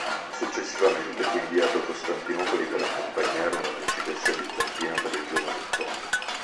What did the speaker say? Successivamente fu inviato a Costantinopoli per accompagnare una principessa bizantina per il giovane Ottone.